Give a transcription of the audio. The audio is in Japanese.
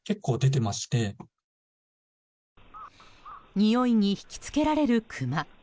においに引き付けられるクマ。